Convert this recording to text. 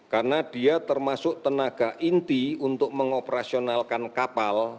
karena dia termasuk tenaga inti untuk mengoperasionalkan kapal